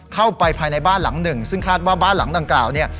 เข้าไปภายในบ้านหลังหนึ่งซึ่งคาดว่าบ้านหลังดังกล่าวเนี่ย